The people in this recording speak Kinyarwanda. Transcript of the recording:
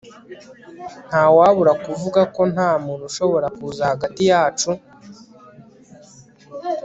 Ntawabura kuvuga ko ntamuntu ushobora kuza hagati yacu